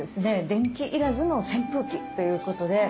電気いらずの扇風機ということで。